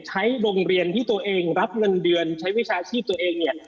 ใช้โรงเรียนที่ตัวเองรับเงินเดือนใช้วิชาชีพตัวเองเนี่ย